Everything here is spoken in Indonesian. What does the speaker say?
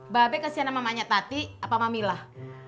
mbak abe kasian sama mamanya tadi apa mamilah